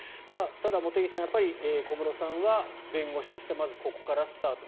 ただ、茂木さん小室さんは弁護士としてまずここからスタート。